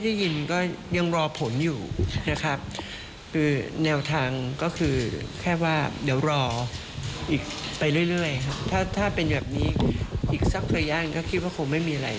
อีกทีสิบขังก็คิดว่าคงไม่มีอะไร